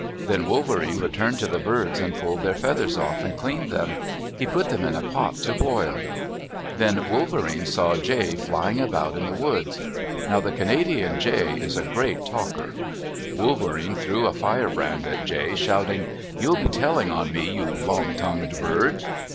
Then Wolverene returned to the birds and pulled their feathers off and cleaned them. He put them in a pot to boil. Then Wolverene saw Jay flying about in the woods. Now the Canadian Jay is a great talker. Wolverene threw a firebrand at Jay, shouting, "You'll be telling on me, you long tongued bird."